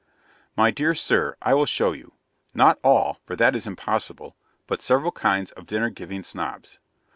My dear sir, I will show you not all, for that is impossible but several kinds of Dinner giving Snobs.